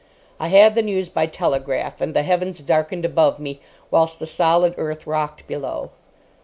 I had the news by telegraph, and the heavens darkened above me, whilst the solid earth rocked below.